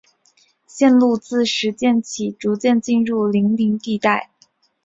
线路自石涧起逐渐进入丘陵地带。